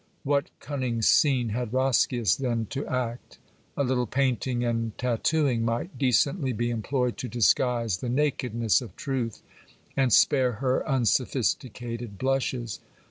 What cunning scene had Roscius then to act ? A little painting and tattooing might decently be employed to disguise the nakedness of truth, and spare her unsophisticated blushes.